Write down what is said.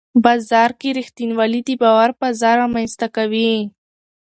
بازار کې رښتینولي د باور فضا رامنځته کوي